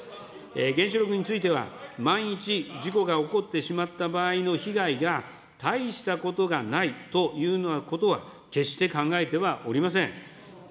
原子力については、万一、事故が起こってしまった場合の被害が、大したことがないというようなことは決して考えてはおりません。